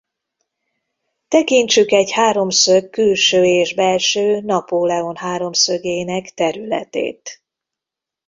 Tekintsük egy háromszög külső és belső Napóleon-háromszögének területét.